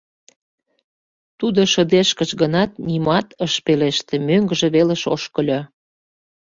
Тудо шыдешкыш гынат, нимат ыш пелеште, мӧҥгыжӧ велыш ошкыльо.